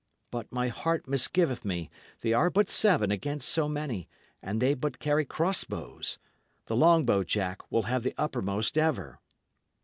But my heart misgiveth me; they are but seven against so many, and they but carry cross bows. The long bow, Jack, will have the uppermost ever."